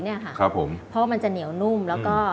เพราะว่ามันจะเหนียวนุ่มแล้วก็